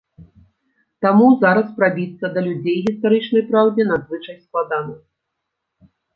Таму зараз прабіцца да людзей гістарычнай праўдзе надзвычай складана.